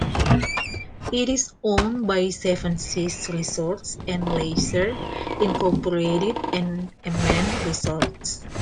It is owned by Seven Seas Resorts and Leisure, Incorporated and Aman Resorts.